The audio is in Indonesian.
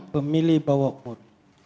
pemilih bawah umur